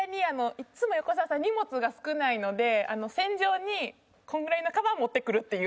いつも横澤さん荷物が少ないので戦場にこのぐらいのかばん持ってくるっていう。